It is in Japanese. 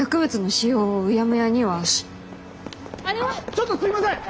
ちょっとすいません！